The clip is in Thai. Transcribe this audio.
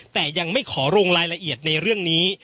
แต่ยังไม่ขอลงรายละเอียดในเรื่องนี้